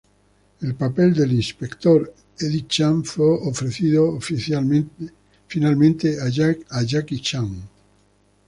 El papel del inspector Eddie Chan fue ofrecido finalmente a Jackie Chan.